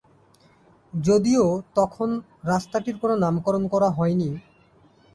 যদিও তখন রাস্তাটির কোন নামকরণ করা হয়নি।